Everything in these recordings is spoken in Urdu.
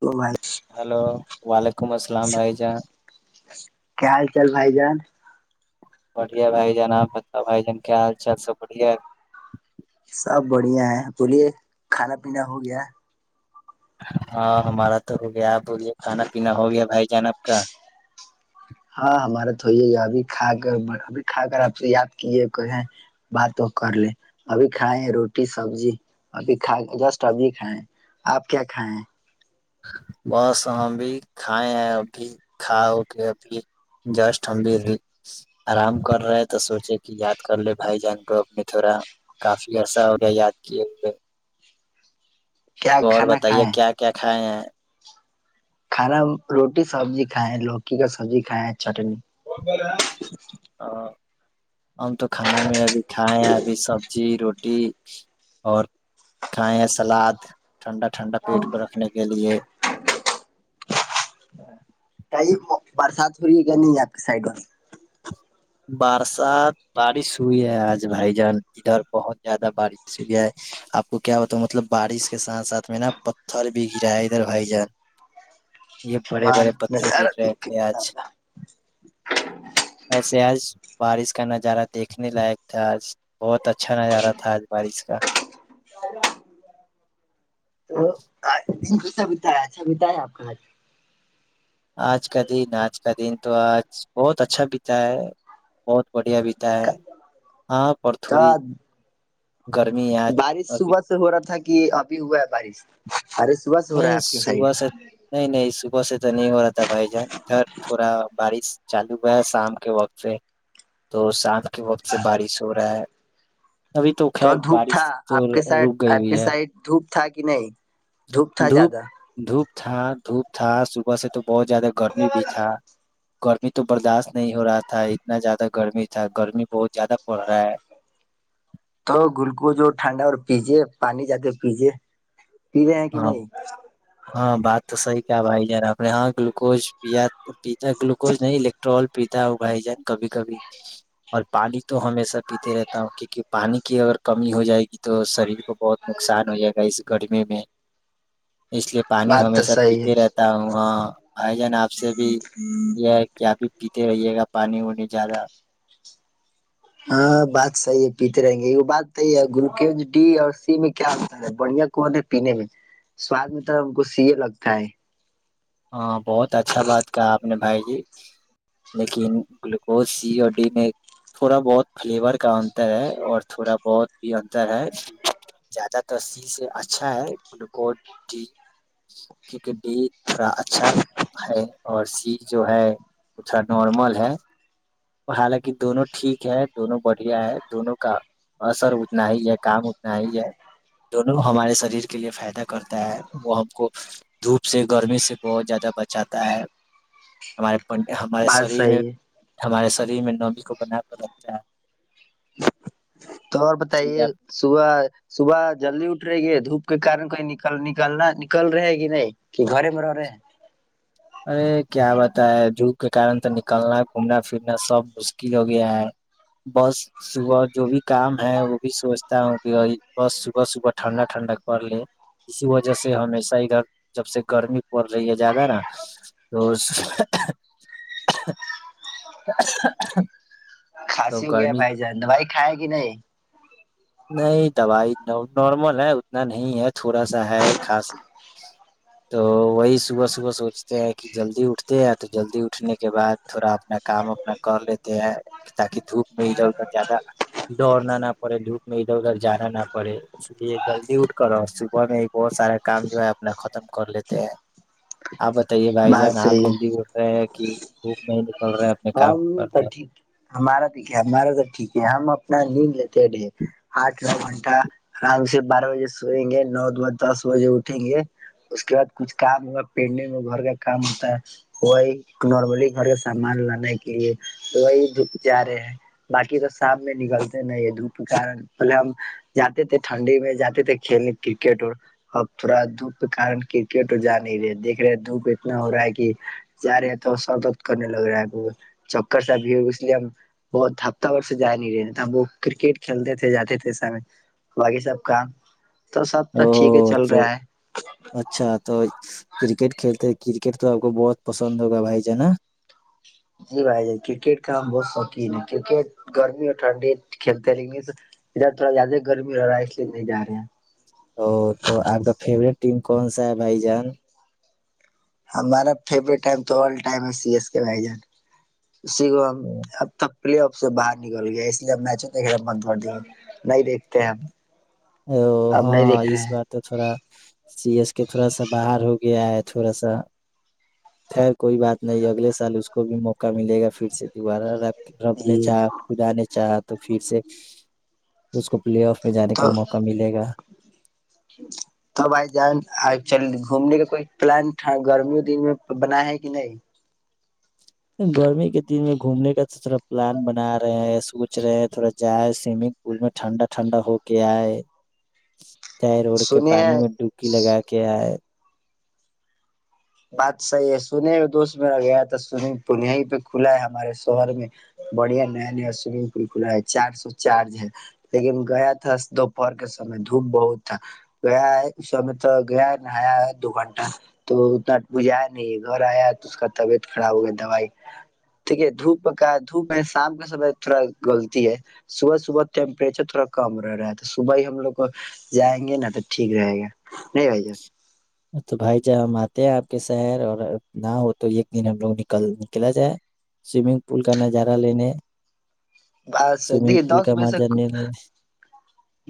تو بھائی ہلو والک [inaudible] لیکم السلام بھائی جان [unintelligible] کیا حال چال بھائی جان [unintelligible] بڑیا بھائی جان آپ بتا بھائی جان کیا حال چال س بڑیا ہے سب بڑھیا ہے بولیے کھانا پینا ہو گیا ہاں ہمارا تو ہو گیا اب ہو کانا پینا ہو گیا بھائی جانہ ککا ہاں ہمارا تو یہ ہے ابھی کھا کر ابھی کھا کر آپ سے یاد کیے کہ بات تو کر لے ابھی کھائے روٹی سبزی ابھی کھا جسٹ ابھی کھائےیں آپ کیا کھائے ہیں بس ہم بھی کھائے ہیں ا بھی کھا ہو کے ا بھی جسٹ ہم بھی آرام کر رہے ہیں تو سوچے کہ یاد کر لے بھائی جان کو اپ نے تھوڑا کافی عرصہ ہو گیا یاد کیے ہوئے کیا تو اور کھانا بتائیے کھائے کیا کیا ہ کھانا روٹی سبزی کھائےیں لوکی کا سبزی کھائےیں چٹنی ا ہم تو کھانا میں ابھی کھائائے ابھی سبزی روٹی اور کھائیں سلاد ٹھنڈا ٹھنڈا پیٹ کو رکھنے کے لیے کئی برسات ہو رہی ہے کہ نہیں آپ کے سائڈ میں بارسات بارس سئی ہے آج بھائی جان ادھر بہت زیادہ بارش ہو گیا ہے آپ کو کیا بتاؤ مطلب بارش کے ساتھ ساتھ میں نا پتھر بھی گرا ہے ادھر بھائی جان یہ ہ بڑے بڑے پتھر نارا د گر رہے تھے آج ب ویسے آج بارش کا نظارہ دیکھنے لائق تھا بہت اچھا نظارہ تھا آج بارش کا تو سا بتایا اچھا بتایا آپ کا ہج آج کا دن آج کا دن تو آج بہت اچھا بتا ہے بہت بڑھیا بیتا ہے ہاں پر تھوڑی گرمی بارش آج صبح سے ہو رہا تھا کہ ابھی ہوا ہے بارش ارے صبح سے ہو رہا ہے نہیں آپ کی صب سائڈ سے نہیں نہیں سب بے تو نہیں ہو رہا تھا بھائی جان ادھر تھوڑا بارش چالو ہوا ہے شام کے وقت سے تو شام کے وقت سے بارش رہا ہے ابھی تو خیر دھوپ بارش تھا تو رک گئی ہوئی ہے تھااک نہیں تھا دھوپ زیادہ دھوپ تھا دھپ تھا صبح سے تو بہت زیادہ گرمی بھی تھا گرمی تو برداشت نہیں ہو رہا تھا اتنا زیادہ گرمی تھا گرمی بہت زیادہ پڑ رہا ہے تو گلکوز ٹھنڈا اور پیجے پانی جد پییے ہاں ہاں بات تو سی کیا بھائی جان اپنے یہاں گلوکوز پیا پیتا گلوکوز نہیں الیکٹرول پیتا ہو بھائی جان کبھی کبھی اور پانی تو ہمیشہ پیتے رہتا ہوں کیونکہ پانی کی اگر کمی ہو جائے گی تو شریر کو بہت نقصان ہو جائے گا اس گرمی میں اس لیے پانی بات تو ہمیشہ صحیح ہے پیتے رہتا ہوں ہ بائی جان آپ سے بھی یہ ہے کہ ابھی پیتے رہیے گا پانی وانی زیادہ ہاں بات صحیح ہے پیتے رہیں گے یہ بات صحی ہے گلوکز ڈی اور سی میں کیا آتا ہے بڑھیا کون ہے پینے میں سواد میں تو ہم کو سی یہ لگتا ہے ہاں بہت اچھا بات کہا آپ نے بھائی جی لیکن گلوکوز سی اور ڈی میں تھوڑا بہت فلیور کا انتر ہے اور تھوڑا بہت بھی انتر ہے زیادہ تر سی سے اچھا ہے گلوکوز ڈی کیونکہ ڈی تھڑا اچھا ہے اور سی جو ہے وہ تھوڑا نارمل ہے اور حالانکہ دونوں ٹھیک ہے دونوں بڑھیا ہے دونوں کا اثر اتنا ہی ہے کام اتنا ہی ہے دونوں ہمارے شریر کے لیے فائدہ کرتا ہے وہ ہم کو دھوپ سے گرمی سے بہت زیادہ بچاتا ہے ہمارے ہمارے بات شریر میں صحیح ہے ہمارے سری میں نوبی کو بنا کر رکھتا ہے تو اور اس بتائیے لیے صبح صبح جلدی اٹ رہی گ دھوپ کے کن کوئی نکل نکلنا نکل رہے ہے کہ نہیں کہ گھرے میں رہ رہے ہیں ارے کیا بت ہے جھوک کے کارن تو نکلنا گھومنا پھرنا سب مشکل ہو گیا ہے بس صبح جو بھی کام ہے وہ بھی سوچتا ہوں کہ بس صبح صبح ٹھنڈا ٹھنڈا پڑ لے اسی وجہ سے ہمیشہ ادھر جب سے گرمی پڑ رہی ہے زیادہ نا تو کھسی ہو گیا گرمی بھائی جان بھائی کائے کہ نہیں نہیں دوائی نارمل ہے اتنا نہیں ہے تھوڑا سا ہے خاص تو وہی صبح صبح سوچتے ہیں کہ جلدی اٹھتے ہیں تو جلدی اٹھنے کے بعد تھوڑا اپنا کام اپنا کر لیتے ہیں تاکہ دھوپ میں ہی جدہ زیادہ دوڑنا نہ پڑے دھوپ میں ادھر ادھر جانا نہ پڑے اس لیے جلدی اٹھ کر اور صبح میں بہت سارا کام جو ہے اپنا ختم کر لیتے ہیں آپ تو یہ بھائی بات جان آپ صحیح ہے۔ جلدی گٹ رہے ہیں کہ وہ م ہم س ٹھیک ہمارا ٹھیک ہے ہمارا تو ٹھیک ہے ہم نان نین لے ڈے آ دو گھنٹہ آرام سے بارہ بجے سوئیں گے نو ب دس بجے اٹھیں گے اس کے بعد کچھ کام ہو پین میں گھر کا کام ہوتا ہے وہ نارملی گھر کا سامان لانا ے تو وہی دھپ جا رہے ہیں باقی تو شام میں نکلتے نہیں دھوپ کے کارن پہلے ہم جاتے تھے ٹھنڈی میں جاتے تھے کھیلنے کرکٹ اور اب تھوڑا دھوپ کے کن کرکٹ اور جا نہیں رہے دھ رہے دھوپ اتنا ہو رہا ہے کہ جا رہے ہے تو سردد کرنے لگ رہا ہے چکر سا بھی ہوگ اس لیے ہم بہت ہفتہ وور سے جا نہیں رہے تھ ہم وہ کرکٹ کھیلتے تھے جاتے تھے سے باقی سب کام تو سب تو او ٹھیک ہے چل تو رہا ہے اچھا تو کرکٹ کھیلتے کرکٹ تو آپ کو بہت پسند ہوگا بھائی جانا جی بھائی ج کرکٹ کا ہم بہت شوقین ہے کرکٹ گرمی اور ٹھنڈی کھیلتے ہیں لیکن ادھر تھوڑا زیادہ گرمی رہ رہا ہے اس لیے نہیں جا رہے ہیں ا تو آپ کا فیوریٹ ٹیم کون سا ہے بھائی جان ہمارا فورٹ ٹم تو ٹم ہے سی ایس کے ب جان سگو ہم پلے آف سے باہر نکل گیا اس لیے ہم میچوں دیکھنے مند پ گیا نہیں دیکتے ہیں ہم او اب نہیں ہاں دیکھ اس رہے ہیں بات تو تھوڑا سیریس کہ تھوڑا سا باہر ہو گیا ہے تھوڑا سا خیر کوئی بات نہیں اگلے سال اس کو بھی موقع ملے گا پھر سے دوبارہ رب نے جی چاہا کھدانے چاہ تو پھر سے اسس کا پلی آف ہے ج تو م تو بائی ج آئی چل گھومنے کا کوئی پلان گرمیوں دن میں بنا ہے کہ نہیں گرمی کے دن میں گھومنے کا تھوڑا پلان بنا رہے ہیں سوچ رہے ہیں تھوڑا جائے سوئمنگ پول میں ٹھنڈا ٹھنڈا ہو کے آئے نہر نہر اور کے سنے پانی میں ڈبکی لگا کے ائے بات صحی ہے سنے ہو دوست میرا گیا تھا سوئمنگ پول یہیں پہ کھلا ہے ہمارے شہر میں بڑھیا نیا نیا سوئمنگ پل کھلا ہے چار سو چارج ہے لیکن گیا تھا دوپہر کے سمے دھوپ بہت تھا گیا ہے اس سے تو گیا ہے ن آیا دو گھنٹہ تو انا بجایا نہیں ہے گھر آیا تو اس کا طبیعت خراب ہو گیا دوائی ٹھ ہے دھوپ کا دھوپ میں شام کے سمے تھوڑا غلتی ہے صبح صبح ٹیمپریچر تھوڑا کم رہ رہا ہے تو صبح ہی ہم لوگ جائیں گے نا تو ٹھیک رہے گا نہیں بھائی تو بھائی جہ ہم آتے ہیں آپ کے شہر اور نہ ہو تو ایک دن ہم لوگ نکل نکلا جائے سوئمنگ پول کا نظارہ لینے بس سوئمنگ دیک پول دس کا بجے مزہ تک لینے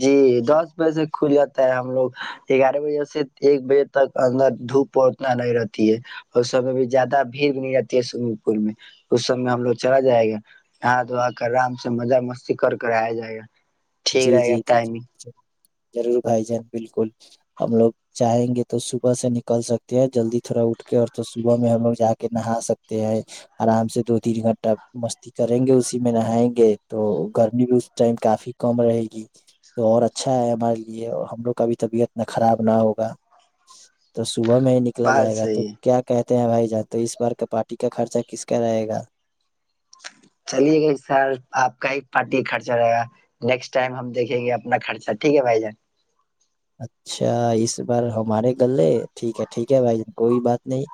جی دس بجے سے کھل جاتا ہے ہم لوگ گیارہ بجے سے ایک بجے تک اندر دھوپ پتنا نہیں رہتی ہے اس سمے بھی زیادہ بھیڑ بھی نہیں رہتی ہے سوئمنگ پل میں اس سمے ہم لوگ چلا جائے گا ہا دھو کر آرام سے مزہ مستی کر کر آیا جائے گا ٹھیک جی رہے جی گا جی ج ٹائمنگ [unintelligible] ضرور بھائی جان بالکل ہم لوگ جاہیں گے تو صبح سے نکل سکتے ہیں جلدی تھوڑا اٹھ کے اور تو صبح میں ہم لوگ جا کے نہا سکتے ہیں آرام سے دو تین گھنٹہ مستی کریں گے اسی میں نہائیں گے تو گرمی بھی اس ٹائم کافی کم رہے گی تو اور اچھا ہے ہمارے لیے اور ہم لوگ کا بھی طبیعت نہ خراب نہ ہوگا تو صبح میں ہی نکلا بات جائے گا تو صحیح ہے کیا کہتے ہیں بھائی جان تو اس بار کا پارٹی کا خرچہ کس کا رہے گا چلیے گا سر آپ کا ہی پارٹی خرچہ رہے گا نیکسٹ ٹائم ہم دیکھیں گے اپنا خرچہ ٹھیک ہے بھائی جان اچھا اس بار ہمارے گلے ٹھیک ہے ٹھیک ہے بھائی جان کوئی بات نہیں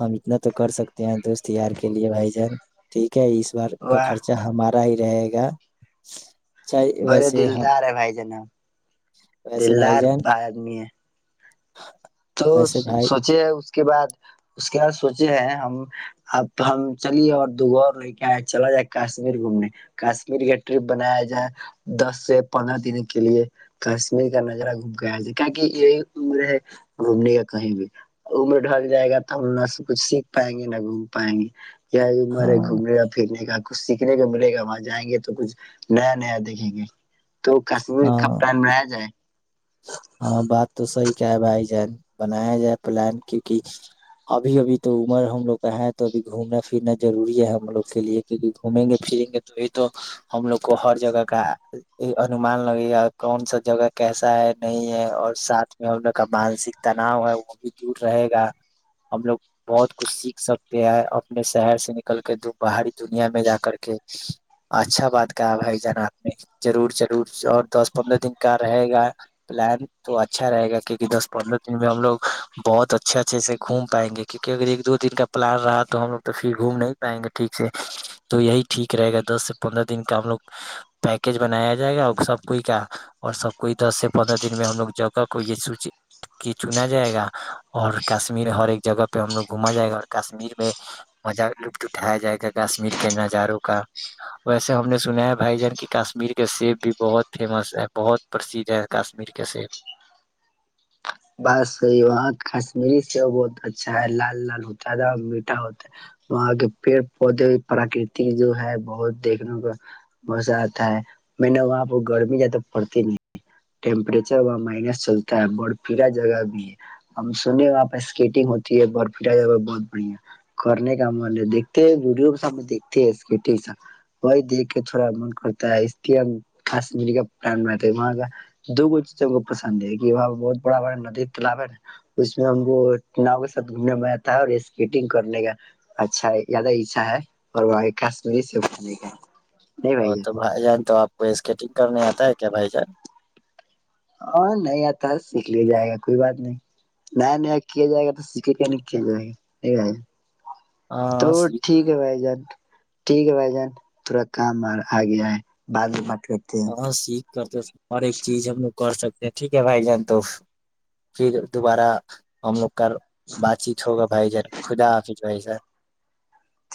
ہم اتنا تو کر سکتے ہیں دوست یار کے لیے بھائی جان ٹھیک کیا اس بار کا واہ خرچہ ہمارا ہی رہے گا چاہے برے ویسے ہم دلدار ہے بھائی جان اپ ویسے بھائی دللہار جان بائی آدمی ہے تو ویسے بھائی سوچے اس کے بعد اس کے بعد سوچے ہیں ہم اب ہم چلیے اور دوغور لے کے آئے چلا جائے کشمیر گھومنے کاشمیر کا ٹرپ بنایا جائے دس سے پندرہ دن کے لیے کشمیر کا نظارہ گھوم کے آیا جائے کی کہ یہی عمر ہے گھومنے یا کہیں بھی عمر ڈھک جائے گا تو ہم نہ کچھ سیکھ پائیں گے نہ گھوم پائیں گے مارے گھوم ہاں یا پھرنے کا کچھ سیکھنے کو ملے گا وہاں جائیں گے تو کچھ نیا نیا دیکھیں گے تو کشمیر کا ہاں پلان بنایا جائے ہاں بات تو سی کہ ہے بھائی جان بنایا جائے پلان کیوںکہ ابھی ابھی تو عمر ہم لوگ کا ہے تو ابھی گھومنا پھرنا روری ہے ہم لوگ کے لیے کیوںکہ گھومیں گے پھریں گے تو یہ تو ہم لوگ کو ہر جگہ کا انمان لگے گا کون سا جگہ کیسا ہے نہیں ہے اور ساتھ میں ہم لوگ کا مانسک تناؤ ہے وہ بھی دور رہے گا ہم لوگ بہت کچھ سیکھ سکتے ہیں اپنے شہر سے نکل کے باہری دنیا میں جا کر کے اچھا بات کابھائی جنات میں ضرور چ اور دس پندرہ دن کا رہے گا پلان تو اچھا رہے گا کیوںکہ دس پندرہ دن میں ہم لوگ بہت اچھے اچھے سے گھوم پائیں گے کیوںک کہ اگر ایک دو دن کا پلان رہا تو ہم لوگ تو پھر گھوم نہیں پائیں گے ٹھیک سے تو یہی ٹھیک رہے گا دس سے پندرہ دن کا ہم لوگ پیکیج بنایا جائے گا سب کوئی کا اور سب کوئی دس سے پندرہ دن میں ہم لوگ جگہ کو یہ سو کی چنا جائے گا اور کشمیر ہر ایک جگہ پہ ہم لوگ گھوما جائے گا اور کشمیر میں مزا لطف اٹھایا جائے گا کشمیر کے نظاروں کا ویسے ہم نے سنا ہے بھائی جان کی کشمیر کے سیب بھی بہت فیمس ہے بہت پرسدھ ہے کشمیر کے سیب بسی وہاں کشمیری سے بہت اچھا ہے لال لال ہوتا ہے تھا میٹھا ہوتا ہے وہاں کے پیڑ پودے بھی پراکرت جو ہے بہت دیکھنے کا مزہ آتا ہے میں نے وہاں پہ گرمی جیاد پڑتی نہیں ٹیمپریچر وہاں مائنس چلتا ہے پا جگہ بھی ہے ہم سنے وہاں پہ اسکیٹنگ ہوتی ہے بڑا بڑا ندی تالاب ہے اس میں ہم کو ناؤ کے ساتھ گھومنے میں آتا ہے اور اسکیٹنگ کرنے کا اچھا زیادہ اچھا ہے اور وہ کاشمیری سےھنے کا ا تو بھائی جان تو آپ کو اسکیٹنگ کرنے آتا ہے کیا بھائی جان ہاں نہیں آتا سیکھ لیا جائے گا کوئی بات نہیں نیا نیا کیا جائے گا تو سیکھے کے نہیں کیا جائے گا نہیں ب تو ہاں سیکھ ٹھیک ہے بھائی جان ٹھیک ہے بھائی جان تھورا کام اور آگے آئے بعد کرتے ہاں سیکھ کرتے تھ ہر ایک چیز ہم لوگ کر سکتے ہیں ٹھیک ہے بھائی جان تو پھر دوبارہ ہم لوگ کر بات چیت ہوگا بھ ج خدا آافظ ب س اٹھ